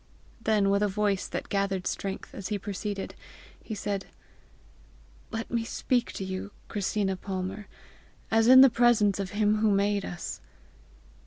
Then, with a voice that gathered strength as he proceeded, he said: "Let me speak to you, Christina Palmer, as in the presence of him who made us!